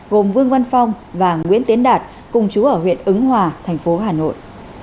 gồm vương văn phong và nguyễn tiến đạt cùng chú ở huyện ứng hòa thành phố hà nội